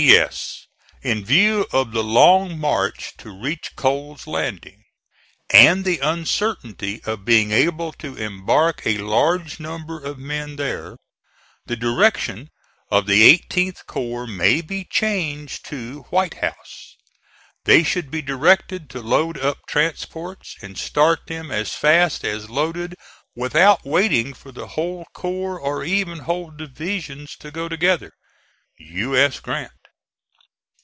P. S. In view of the long march to reach Cole's Landing, and the uncertainty of being able to embark a large number of men there, the direction of the 18th corps may be changed to White House. They should be directed to load up transports, and start them as fast as loaded without waiting for the whole corps or even whole divisions to go together. U. S. GRANT.